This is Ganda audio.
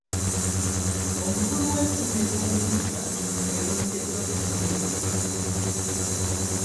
Omukulu w'essomero omuggya yalondeddwa ku ssomero lyaffe.